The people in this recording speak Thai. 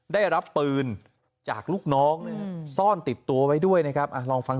ได้รับปืนจากลูกน้องซ่อนติดตัวไว้ด้วยนะครับลองฟัง